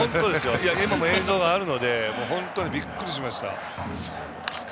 今も映像がありますし本当にびっくりしました。